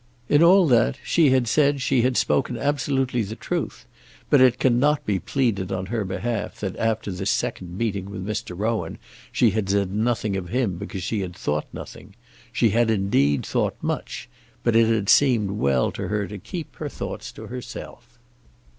In all that she had said she had spoken absolutely the truth; but it cannot be pleaded on her behalf that after this second meeting with Mr. Rowan she had said nothing of him because she had thought nothing. She had indeed thought much, but it had seemed well to her to keep her thoughts to herself.